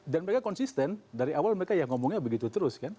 dan mereka konsisten dari awal mereka ya ngomongnya begitu terus kan